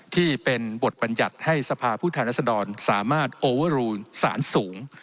ที่เป็นบทบัญญัติให้สภาพผู้แทนรัศดรสามารถโอเวอร์รูนสารสูง